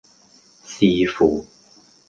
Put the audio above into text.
視乎